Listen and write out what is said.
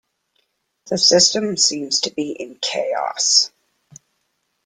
The system seems to be in chaos.